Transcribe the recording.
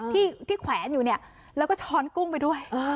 ที่แขวนอยู่เนี่ยแล้วก็ช้อนกุ้งไปด้วย